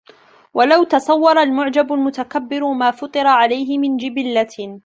وَلَوْ تَصَوَّرَ الْمُعْجَبُ الْمُتَكَبِّرُ مَا فُطِرَ عَلَيْهِ مِنْ جِبِلَّةٍ